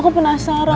aku penasaran mas